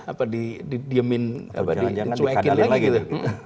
apa didiemin apa dicuekin lagi gitu